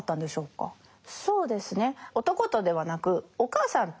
そうですね。